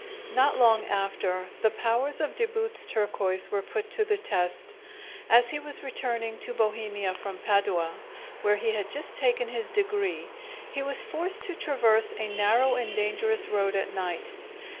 Not long after, the powers of De Boot's turquoise were put to the test. As he was returning to Bohemia from Padua, where he had just taken his degree, he was forced to traverse a narrow and dangerous road at night.